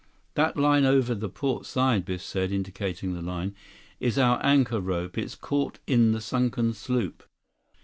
"That line over the port side," Biff said, indicating the line. "That's our anchor rope. It's caught in the sunken sloop."